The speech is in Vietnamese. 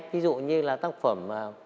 ví dụ như là tác phẩm